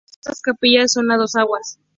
Los techos de estas capillas son a dos aguas.